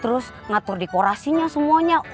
terus ngatur dekorasinya semuanya